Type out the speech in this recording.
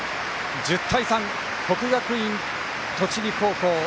１０対３、国学院栃木高校